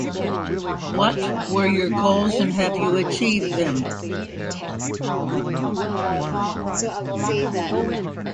What were your goals, and have you achieved them?